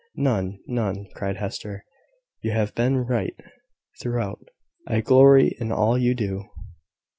"None, none," cried Hester. "You have been right throughout. I glory in all you do."